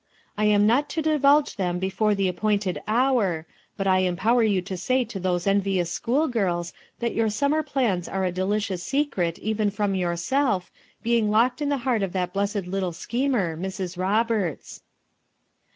I am not to divulge them before the appointed hour, but I empower you to say to those envious schoolgirls that your summer plans are a delicious secret even from yourself, being locked in the heart of that blessed little schemer, Mrs. Roberts."